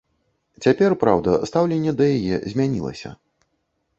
Цяпер, праўда, стаўленне да яе змянілася.